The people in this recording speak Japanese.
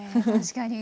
確かに。